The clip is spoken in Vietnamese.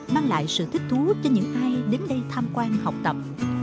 mang lại sự thích thú cho những ai đến đây tham quan học tập